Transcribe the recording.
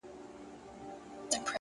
د انسان ارزښت په ګټه رسولو اندازه کېږي،